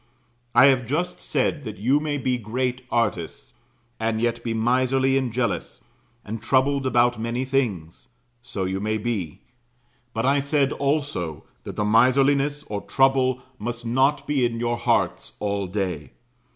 I have just said, that you may be great artists, and yet be miserly and jealous, and troubled about many things. So you may be; but I said also that the miserliness or trouble must not be in your hearts all day.